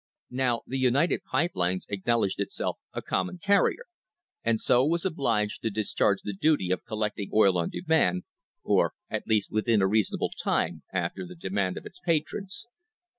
Now the United Pipe Lines acknowledged itself a common carrier, and so was obliged to discharge the duty ' THE CRISIS OF 1878 of collecting oil on demand, or at least within a reasonable time after the demand of its patrons.